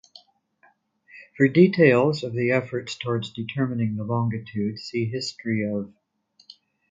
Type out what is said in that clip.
For details of the efforts towards determining the longitude, see History of longitude.